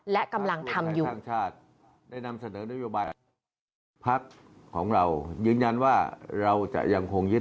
และกำลังทำอยู่